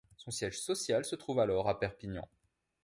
Son siège social se trouve alors à Perpignan.